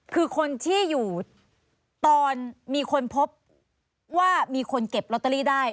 คือคนที่อยู่ตอนมีคนพบว่ามีคนเก็บลอตเตอรี่ได้